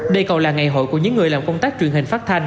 đây còn là ngày hội của những người làm công tác truyền hình phát thanh